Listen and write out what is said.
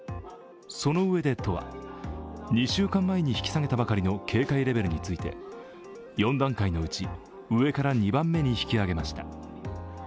そのうえで都は、２週間前に引き下げたばかりの警戒レベルについて４段階のうち上から２番目に引き上げました。